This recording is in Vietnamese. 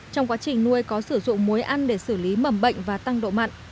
trong quá trình nuôi có sử dụng muối ăn để xử lý mầm bệnh và tăng độ mặn